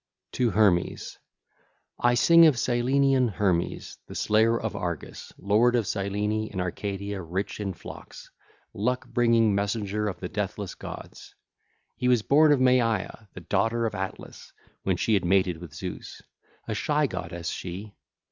XVIII. TO HERMES (ll. 1 9) I sing of Cyllenian Hermes, the Slayer of Argus, lord of Cyllene and Arcadia rich in flocks, luck bringing messenger of the deathless gods. He was born of Maia, the daughter of Atlas, when she had made with Zeus,—a shy goddess she.